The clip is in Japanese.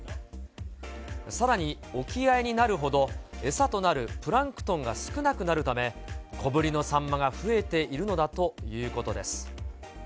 さらに、沖合になるほど、餌となるプランクトンが少なくなるため、小ぶりのサンマが増えているのだということです。